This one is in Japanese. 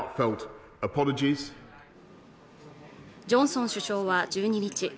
ジョンソン首相は１２日